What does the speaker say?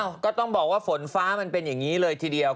ก็ต้องบอกว่าฝนฟ้ามันเป็นอย่างนี้เลยทีเดียว